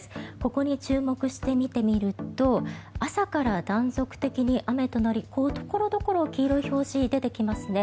ここに注目して見てみると朝から断続的に雨となりところどころ黄色い表示が出てきますね。